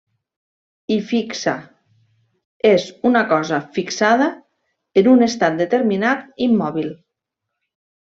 I fixa, és una cosa fixada en un estat determinat, immòbil.